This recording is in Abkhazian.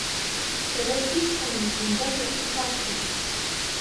Сара исышьҭамыз, зынӡас рхы рхашҭит.